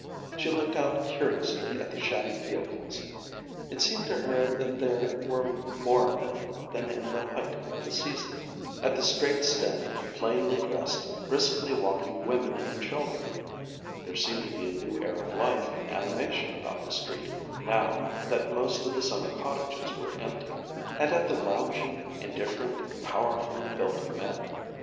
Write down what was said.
She looked out curiously at the shabby vehicles (it seemed to her that there were more of them than in the height of the season), at the straight standing, plainly dressed, briskly walking women and children (there seemed to be a new air of life and animation about the street now that most of the summer cottages were empty), and at the lounging, indifferent, powerfully built men.